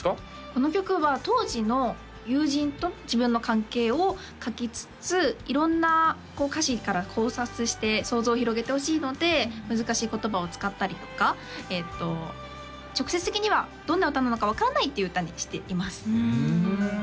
この曲は当時の友人と自分の関係を書きつつ色んな歌詞から考察して想像を広げてほしいので難しい言葉を使ったりとか直接的にはどんな歌なのか分からないっていう歌にしていますふん